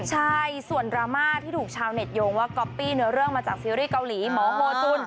ใช่ส่วนดราม่าที่ถูกชาวเน็ตโยงว่าก๊อปปี้เนื้อเรื่องมาจากซีรีส์เกาหลีหมอโมจุล